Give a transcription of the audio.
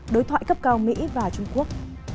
đối thoại cấp cao mỹ và trung quốc